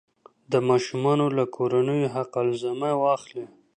د ماشومانو له کورنیو حق الزحمه واخلي.